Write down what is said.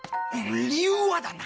理由はだなあ。